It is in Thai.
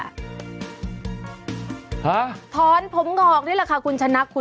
ฮะถอนผมเหงานี่แหละค่ะคุณชะนัก